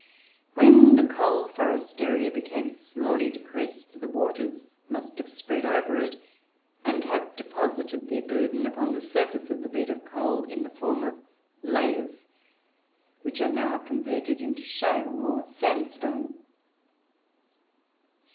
When the coal forest area became slowly depressed, the waters must have spread over it, and have deposited their burden upon the surface of the bed of coal, in the form of layers, which are now converted into shale, or sandstone.